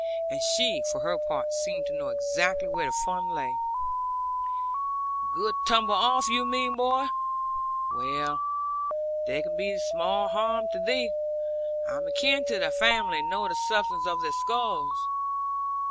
And she, for her part, seemed to know exactly where the fun lay. 'Good tumble off, you mean, my boy. Well, there can be small harm to thee. I am akin to thy family, and know the substance of their skulls.'